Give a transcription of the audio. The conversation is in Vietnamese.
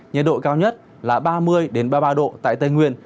nhiệt độ cao nhất là ba mươi ba mươi ba độ tại tây nguyên